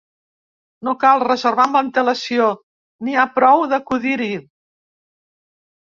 No cal reservar amb antelació, n’hi ha prou d’acudir-hi.